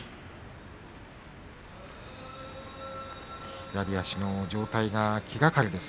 左足の状態が気がかりです。